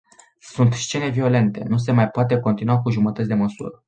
Sunt scene violente, nu se mai poate continua cu jumătăți de măsură.